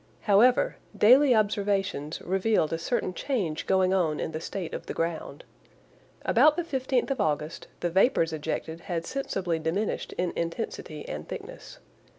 However, daily observations revealed a certain change going on in the state of the ground. About the 15th of August the vapors ejected had sensibly diminished in intensity and thickness.